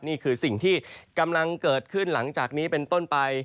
นี่คือสิ่งที่กำลังเกิดขึ้นหลังจากนี้เป็นต้นไป